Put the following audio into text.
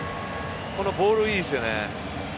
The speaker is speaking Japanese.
このボールいいですよね。